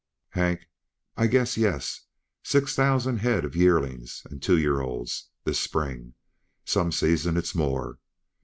"Hank? I guess yes! six thousand head uh yearlings and two year olds, this spring; some seasons it's more.